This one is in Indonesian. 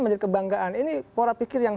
menjadi kebanggaan ini pola pikir yang